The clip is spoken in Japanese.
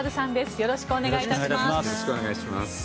よろしくお願いします。